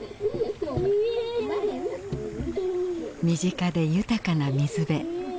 身近で豊かな水辺。